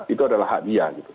itu adalah hak dia